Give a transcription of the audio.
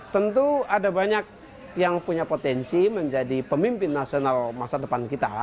tentu ada banyak yang punya potensi menjadi pemimpin nasional masa depan kita